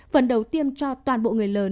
phần đầu tiêm cho toàn bộ người lớn